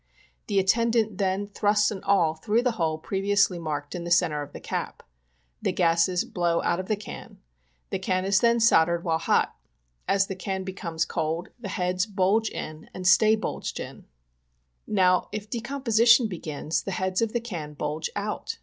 The attendant then thrusts an awl through the hole previously marked in the centre of the cap. The gases blow out of the can. The <jan is then soldered, while hot. As the can becomes cold the heads bulge in and stay bulged in. 68 POISONING BY CANNED GOODS. Now, if decomposition begins, the heads of the can bulge out.